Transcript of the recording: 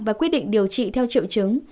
và quyết định điều trị theo triệu chứng